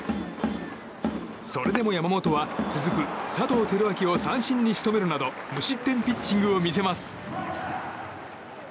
それでも山本は続く佐藤輝明を三振に仕留めるなど無失点ピッチングを見せます。